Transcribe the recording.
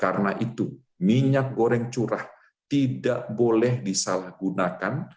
karena itu minyak goreng curah tidak boleh disalahgunakan